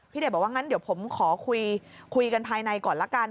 เดชบอกว่างั้นเดี๋ยวผมขอคุยกันภายในก่อนละกัน